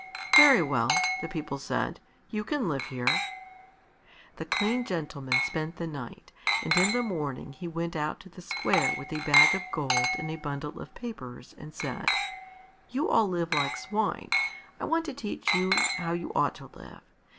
"Very well," the people said; "you can live here." The clean gentleman spent the night and in the morning he went out to the square with a bag of gold and a bundle of papers and said, "You all live like swine. I want to teach you how you ought to live.